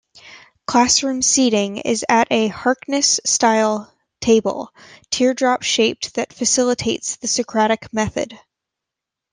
Classroom seating is at a Harkness style table, teardrop-shaped that facilitates the socratic method.